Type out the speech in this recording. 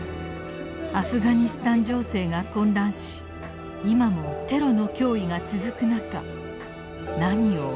アフガニスタン情勢が混乱し今もテロの脅威が続くなか何を思うのか。